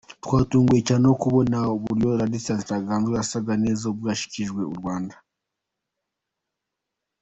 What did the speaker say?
Twatunguwe cyane no kubona uburyo Ladislas Ntaganzwa yasaga neza ubwo yashyikirizwaga u Rwanda.